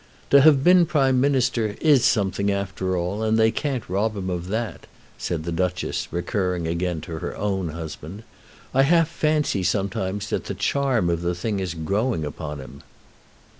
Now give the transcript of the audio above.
"To have been Prime Minister is something after all, and they can't rob him of that," said the Duchess, recurring again to her own husband. "I half fancy sometimes that the charm of the thing is growing upon him."